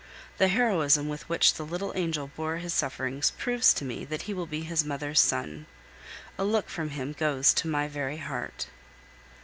The heroism with which the little angel bore his sufferings proves to me that he will be his mother's son. A look from him goes to my very heart.